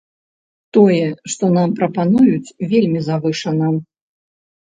Тое, што нам прапануюць, вельмі завышана.